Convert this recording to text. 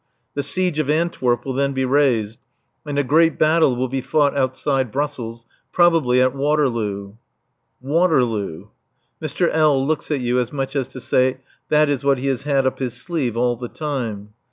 The siege of Antwerp will then be raised. And a great battle will be fought outside Brussels, probably at Waterloo. WATERLOO! Mr. L. looks at you as much as to say that is what he has had up his sleeve all the time.